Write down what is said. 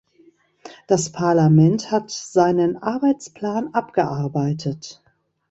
Das Parlament hat seinen Arbeitsplan abgearbeitet.